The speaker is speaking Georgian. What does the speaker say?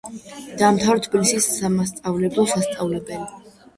დაამთავრა თბილისის სამასწავლებლო სასწავლებელი.